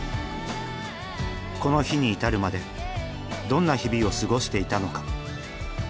この日に至るまでどんな日々を過ごしていたのか。